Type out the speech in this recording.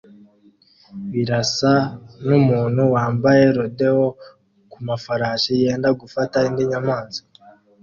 Birasa numuntu wambaye rodeo kumafarasi yenda gufata indi nyamaswa